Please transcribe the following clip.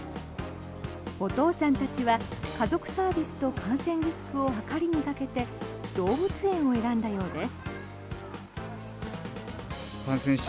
お父さんたちは家族サービスと感染リスクをはかりにかけて動物園を選んだようです。